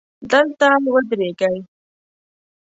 دلته ودرېږئ